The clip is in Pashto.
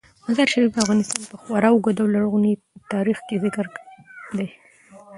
مزارشریف د افغانستان په خورا اوږده او لرغوني تاریخ کې ذکر دی.